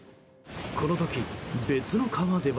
この時、別の川では。